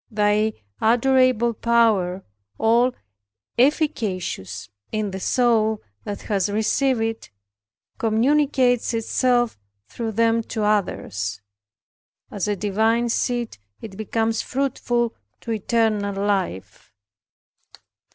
Thy adorable power, all efficacious in the soul that has received it, communicates itself through them to others. As a divine seed it becomes fruitful to eternal life.